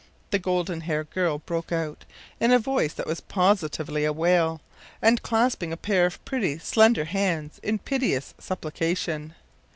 ” the golden haired girl broke out, in a voice that was positively a wail, and clasping a pair of pretty, slender hands in piteous supplication.